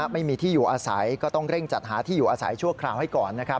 ไม่มีที่อยู่อาศัยก็ต้องเร่งจัดหาที่อยู่อาศัยชั่วคราวให้ก่อน